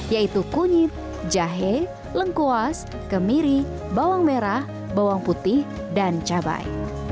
yaitu kunyit jahe lengkuas kemiri bawang merah bawang putih dan cabai